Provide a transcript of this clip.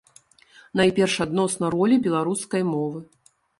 Найперш, адносна ролі беларускай мовы.